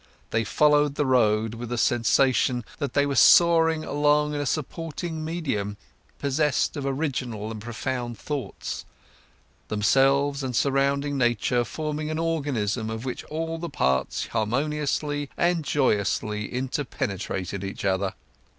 They followed the road with a sensation that they were soaring along in a supporting medium, possessed of original and profound thoughts, themselves and surrounding nature forming an organism of which all the parts harmoniously and joyously interpenetrated each other.